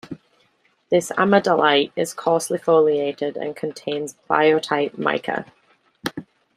This adamellite is coarsely foliated and contains biotite mica.